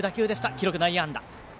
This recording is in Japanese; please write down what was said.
記録、内野安打。